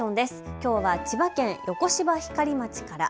きょうは千葉県横芝光町から。